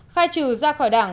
khai trừ ra khỏi đảng